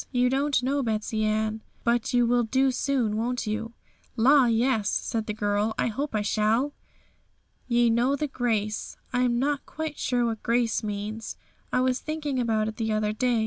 You don't know, Betsey Ann, but you will do soon, won't you?' 'La! yes,' said the girl; 'I hope I shall.' '"Ye know the grace." I'm not quite sure what grace means; I was thinking about it the other day.